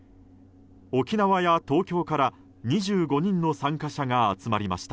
沖縄や東京から２５人の参加者が集まりました。